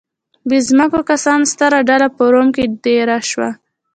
بې ځمکو کسانو ستره ډله په روم کې دېره شوه